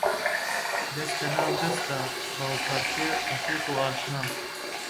دەس لە ناو دەستان، بە هەڵپەڕکێ ڕەفیق و ئاشنا